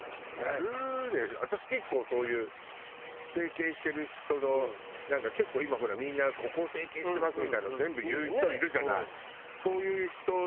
私結構そういう整形してる人のなんか結構今ほらみんなここを整形してますみたいの全部言う人いるじゃない？